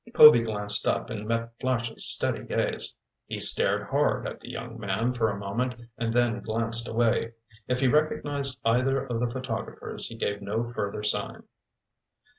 Povy glanced up and met Flash's steady gaze. He stared hard at the young man for a moment and then glanced away. If he recognized either of the photographers he gave no further sign.